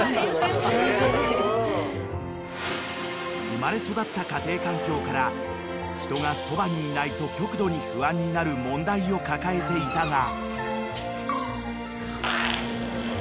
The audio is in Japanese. ［生まれ育った家庭環境から人がそばにいないと極度に不安になる問題を抱えていたが］